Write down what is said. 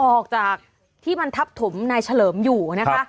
ออกจากที่มันทับถมนายเฉลิมอยู่นะคะ